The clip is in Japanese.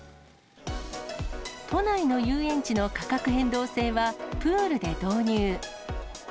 都内の遊園地の価格変動制は、プールで導入。